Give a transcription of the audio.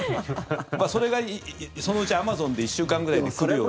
それがそのうちアマゾンで１週間くらいで来るように。